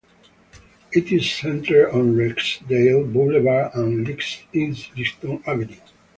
It is centred on Rexdale Boulevard and Islington Avenue.